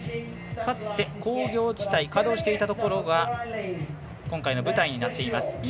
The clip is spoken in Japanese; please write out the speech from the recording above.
かつて、工場地帯稼働していたところが今回の舞台になっています。